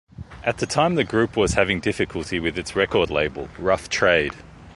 At the time the group was having difficulty with its record label Rough Trade.